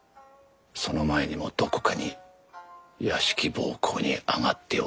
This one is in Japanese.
その前にもどこかに屋敷奉公に上がっておったとか。